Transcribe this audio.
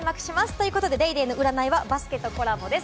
ということで『ＤａｙＤａｙ．』の占いはバスケとコラボです。